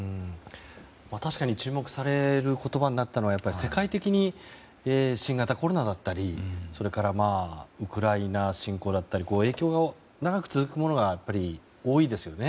確かに注目される言葉になったのは世界的に新型コロナだったりそれからウクライナ侵攻だったり影響が長く続くものがやっぱり、多いですよね。